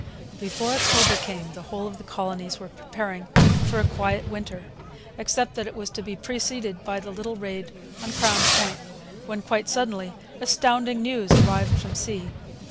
] Before October came the whole of the colonies were preparing for a quiet winter, except that it was to be preceded by the little raid on Crown Point, when, quite suddenly, astounding news arrived from sea.